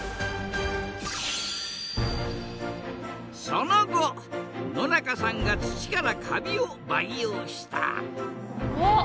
その後野中さんが土からカビを培養したあっ！